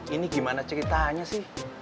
ini gimana ceritanya sih